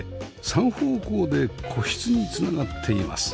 三方向で個室に繋がっています